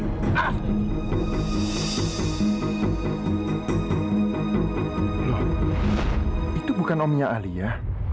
loh itu bukan omnya ahli ya